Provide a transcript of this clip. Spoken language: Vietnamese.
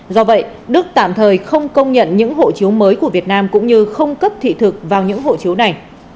do vậy đức tạm thời không công nhận những hộ chiếu mới của việt nam cũng như không cấp thị thực vào những hộ chiếu này